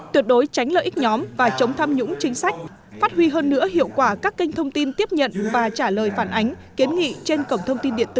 tuyệt đối tránh lợi ích nhóm và chống tham nhũng chính sách phát huy hơn nữa hiệu quả các kênh thông tin tiếp nhận và trả lời phản ánh kiến nghị trên cổng thông tin điện tử